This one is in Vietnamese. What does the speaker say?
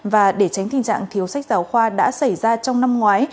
và để tránh tình trạng thiếu sách giáo khoa đã xảy ra trong năm ngoái